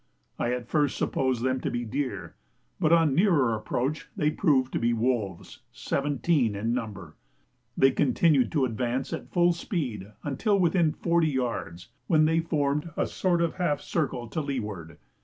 I at first supposed them to be deer, but on a nearer approach they proved to be wolves, seventeen in number. They continued to advance at full speed until within forty yards, when they formed a sort of half circle to leeward.